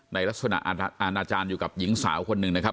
ในลักษณะอาณาจารย์อยู่กับหญิงสาวคนหนึ่งนะครับ